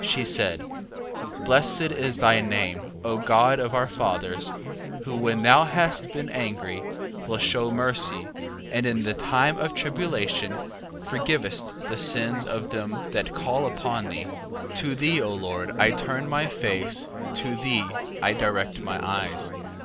She said: Blessed is thy name, O God of our fathers, who when thou hast been angry, wilt shew mercy, and in the time of tribulation forgivest the sins of them that call upon thee. 3:14. To thee, O Lord, I turn my face, to thee I direct my eyes.